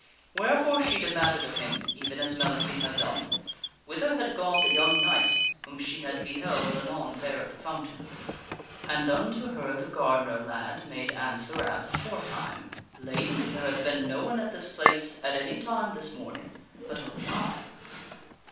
Wherefore she demanded of him, even as Mellicene had done, whither had gone the young knight whom she had beheld anon there at the fountain. And unto her the gar dener lad made answer as aforetime :" Lady ! there hath been no one at this place at any time this morning, but only I."